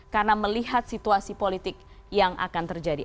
karena melihat situasi politik yang akan terjadi